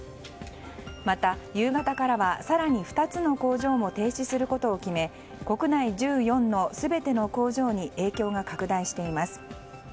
また、夕方からは更に２つの工場も停止することを決め国内１４の全ての工場に影響が拡大しています。